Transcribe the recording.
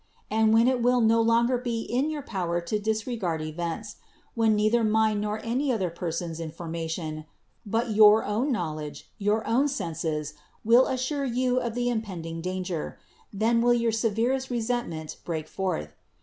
And when it will no longer be in your power to disregard events; when neither mine nor any other person's in formation, but your own knowledge, your own senses will assure you of the impending danger, then will your severest resentment break forth.